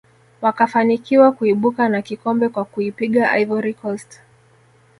wakafanikiwa kuibuka na kikombe kwa kuipiga ivory coast